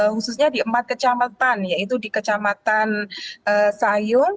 khususnya di empat kecamatan yaitu di kecamatan sayung